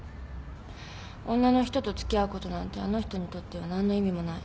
女の人とつきあうことなんてあの人にとっては何の意味もない。